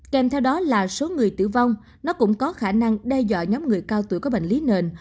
kèm theo đó là số người tử vong nó cũng có khả năng đe dọa nhóm người cao tuổi có bệnh lý nền